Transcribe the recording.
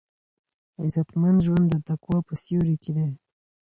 عزتمن ژوند د تقوا په سیوري کې دی.